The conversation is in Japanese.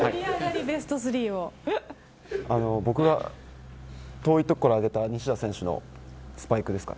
僕は遠いところから上げた西田選手のスパイクですか。